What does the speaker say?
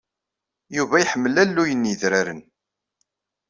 Yuba iḥemmel alluy n yedraren.